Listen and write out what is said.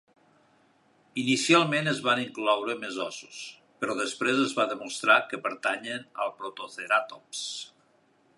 Inicialment es van incloure més ossos, però després es va demostrar que pertanyen a "Protoceratops".